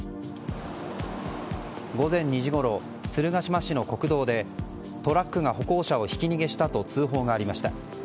午前２時ごろ、鶴ヶ島市の国道でトラックが歩行者をひき逃げしたと通報がありました。